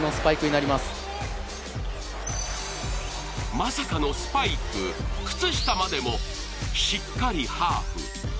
まさかのスパイク、靴下までもしっかりハーフ。